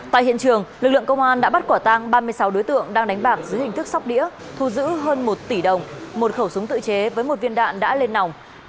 tại hiện trường lực lượng công an đã bắt quả tang ba mươi sáu đối tượng đang đánh bạc dưới hình thức sóc đĩa thu giữ hơn một tỷ đồng một khẩu súng tự chế với một viên đạn đã lên nòng